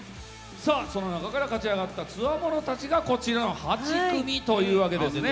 その中から、勝ち上がったつわものたちがこちらの８組ということです。